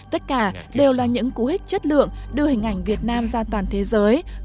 tất cả đều là những cú hích chất lượng đưa hình ảnh việt nam ra toàn thế giới